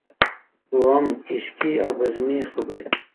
دويم: عشقي او بزمي خبرې.